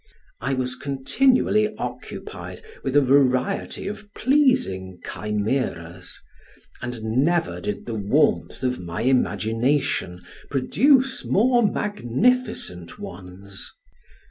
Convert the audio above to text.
I was continually occupied with a variety of pleasing chimeras, and never did the warmth of my imagination produce more magnificent ones.